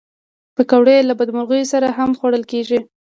پکورې له بدمرغیو سره هم خوړل کېږي